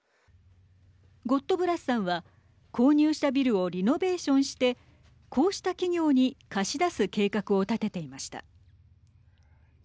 ゴットブラスさんは購入したビルをリノベーションしてこうした企業に貸し出す計画を立てていました。